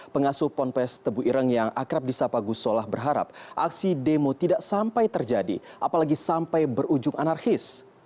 pengasuh ponpes tebu ireng yang akrab di sapa gus solah berharap aksi demo tidak sampai terjadi apalagi sampai berujung anarkis